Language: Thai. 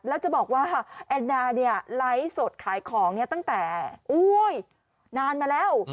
แล้วจะบอกว่าแอนนาไลท์สดขายของเนี่ยตั้งแต่โอ้โหนานมาแล้ว